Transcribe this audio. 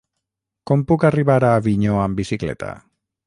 Com puc arribar a Avinyó amb bicicleta?